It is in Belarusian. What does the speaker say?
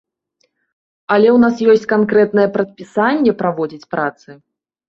Але ў нас ёсць канкрэтнае прадпісанне праводзіць працы.